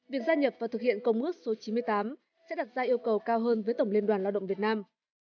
việc gia nhập và thực hiện công ước số chín mươi tám sẽ đặt ra yêu cầu cao hơn với tổng liên đoàn lao động việt nam